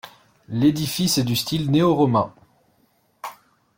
L'édifice est de style néoroman.